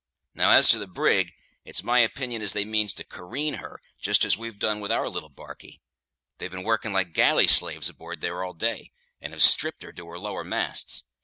"Now, as to the brig, it's my opinion as they means to careen her, just as we've done with our little barkie. They've been working like galley slaves aboard there all day, and have stripped her to her lower masts.